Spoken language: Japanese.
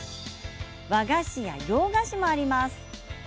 和菓子や洋菓子もあります。